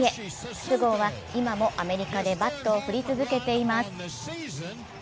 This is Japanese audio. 筒香は今もアメリカでバットを振り続けています。